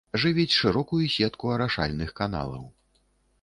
Жывіць шырокую сетку арашальных каналаў.